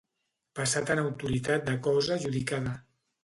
Passat en autoritat de cosa judicada.